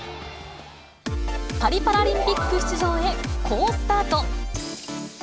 パリパラリンピック出場へ好スタート。